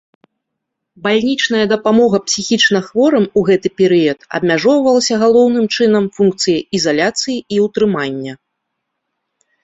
Бальнічная дапамога псіхічнахворым у гэты перыяд абмяжоўвалася галоўным чынам функцыяй ізаляцыі і ўтрымання.